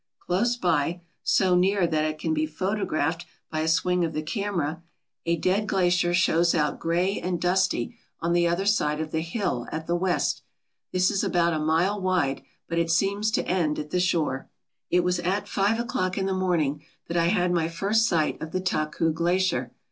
Close by, so near that it can be photo graphed by a swing of the camera, a dead glacier shows out THE WORLD'S GREATEST GLACIERS gray and dusty on the other side of the hill at the west. This is about a mile wide but it seems to end at the shore. It was at five o'clock in the morning that I had my first sight of the Taku Glacier.